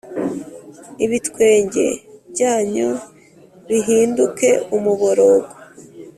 Ibitwenge byanyu bihinduke umuborogo